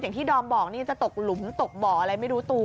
ที่ดอมบอกนี่จะตกหลุมตกบ่ออะไรไม่รู้ตัว